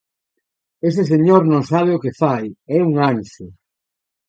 Ese señor non sabe o que fai: é un anxo.